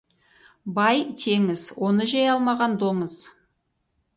Бай — теңіз, оны жей алмаған доңыз.